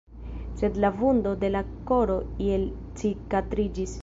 Sed la vundo de la koro iel cikatriĝis.